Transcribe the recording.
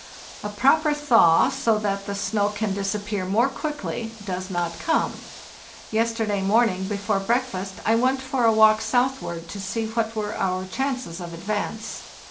A proper thaw, so that the snow can disappear more quickly, does not come. Yesterday morning before breakfast I went for a walk southward to see what were our chances of advance.